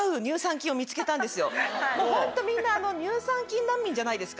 ホントみんな乳酸菌難民じゃないですか。